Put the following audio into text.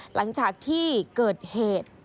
หลังจากที่เกิดเหตุ